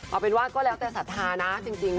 เอาเป็นว่าก็แล้วแต่ศรัทธานะจริง